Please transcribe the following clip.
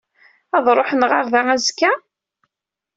Ad d-ruḥen ɣer da azekka?